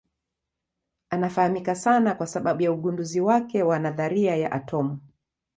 Anafahamika sana kwa sababu ya ugunduzi wake wa nadharia ya atomu.